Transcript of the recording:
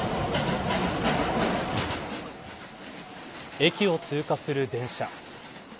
駅を通過する電車。